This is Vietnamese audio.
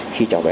khi trở về